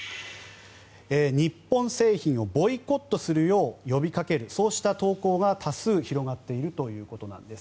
日本製品をボイコットするよう呼びかけるそうした投稿が多数広がっているということです。